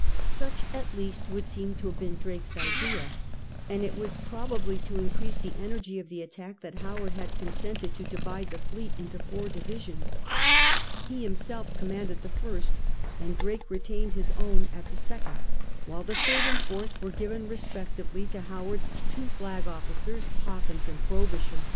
Such at least would seem to have been Drake's idea ; and it was probably to increase the energy of the attack that Howard had consented to divide the fleet into four divisions. He himself commanded the first and Drake retained his own as the second, while the third and fourth were given respectively to Howard's two flag officers, Hawkins and Frobisher.